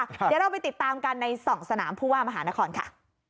เดี๋ยวเราไปติดตามกันใน๒สนามผู้ว่ามหานครค่ะ